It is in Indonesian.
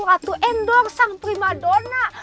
ratu endor sang primadona